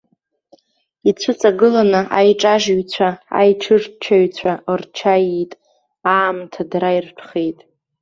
Ицәыҵагыланы аиҿажьыҩцәа, аичырчаҩцәа рча иит, аамҭа дара иртәхеит.